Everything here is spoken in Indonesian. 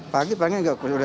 pagi paling tidak kemana mana